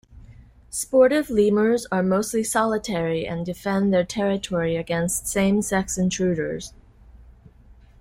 Sportive lemurs are mostly solitary and defend their territory against same sex intruders.